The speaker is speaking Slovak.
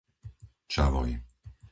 Čavoj